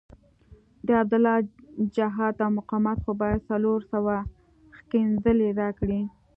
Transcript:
د عبدالله جهاد او مقاومت خو باید څلور سوه ښکنځلې راکړي.